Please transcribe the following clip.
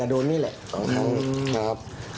คือโดนตะแกล้งถ้าโดนโดนนี่ด้วย